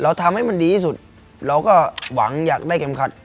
ทำให้มันดีที่สุดเราก็หวังอยากได้เข็มขัด